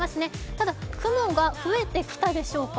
ただ、雲が増えてきたでしょうか。